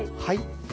はい。